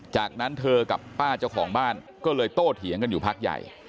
จากนั้นเธอกับป้าเจ้าของบ้านก็เลยโตเถียงกันอยู่พักใหญ่